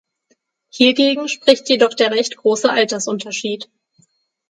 Hiergegen spricht jedoch der recht große Altersunterschied.